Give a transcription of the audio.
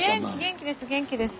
元気です元気です。